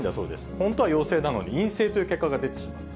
本当は陽性なのに、陰性という結果が出てしまう。